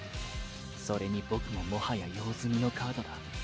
それに僕ももはや用済みのカードだ。